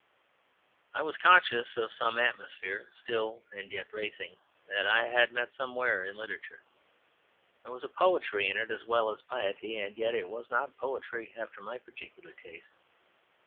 I was conscious of some atmosphere, still and yet bracing, that I had met somewhere in literature. There was poetry in it as well as piety; and yet it was not poetry after my particular taste.